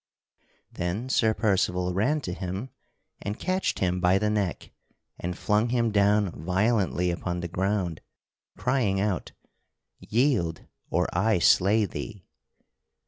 Then Sir Percival ran to him and catched him by the neck and flung him down violently upon the ground, crying out, "Yield or I slay thee!"